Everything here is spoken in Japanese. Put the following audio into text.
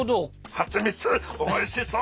はちみつおいしそう。